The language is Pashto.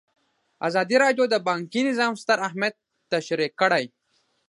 ازادي راډیو د بانکي نظام ستر اهميت تشریح کړی.